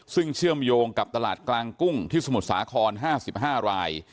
ซึ่งเชื่อมโยงกับตลาดกลางกุ้งที่สมุทรสาคร๕๕ราย